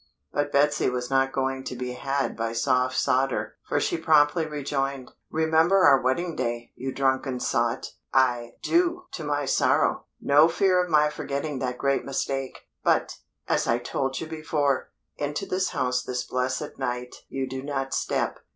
But Betsy was not going to be had by soft sawder, for she promptly rejoined, "Remember our wedding day, you drunken sot? I do to my sorrow, no fear of my forgetting that great mistake. But, as I told you before, into this house this blessed night you do not step.